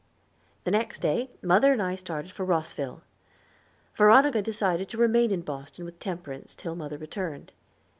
The next day mother and I started for Rosville. Veronica decided to remain in Boston with Temperance till mother returned.